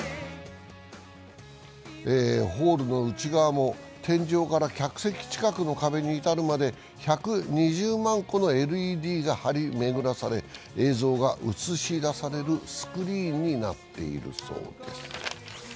ホールの内側も天井から客席近くの壁に至るまで１２０万個のＬＥＤが貼りめぐらされ映像が映し出されるスクリーンになっているそうです。